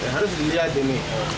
harus dilihat ini